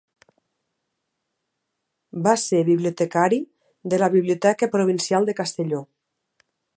Va ser bibliotecari de la Biblioteca Provincial de Castelló.